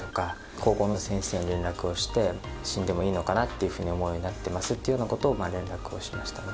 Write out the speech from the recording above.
高校の先生に連絡をして死んでもいいのかなっていうふうに思うようになってますっていうような事を連絡をしましたね。